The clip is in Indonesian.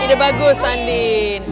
nah ide bagus andin